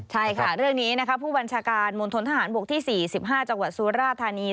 ใช่ค่ะเรื่องนี้ผู้บัญชาการมธ๔๕จังหวัดศูนย์ราชธานีย์